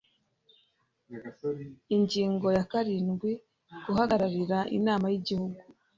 Ingingo ya karindwi Guhagararira Inama y Igihugu